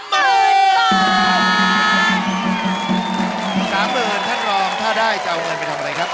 หมื่นท่านรองถ้าได้จะเอาเงินไปทำอะไรครับ